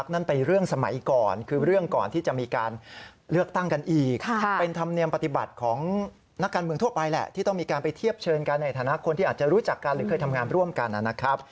ในฐานะคนที่อาจจะรู้จักกันหรือเคยทำงานร่วมกันนะครับ